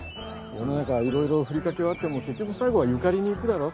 世の中いろいろふりかけはあっても結局最後は「ゆかり」にいくだろ。